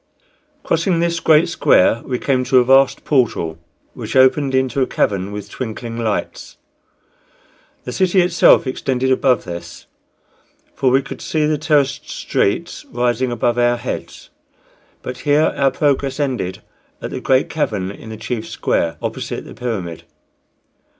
Crossing this great square, we came to a vast portal, which opened into a cavern with twinkling lights. The city itself extended above this, for we could see the terraced streets rising above our heads; but here our progress ended at the great cavern in the chief square, opposite the pyramid.